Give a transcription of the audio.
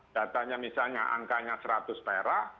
datanya misalnya angkanya seratus perak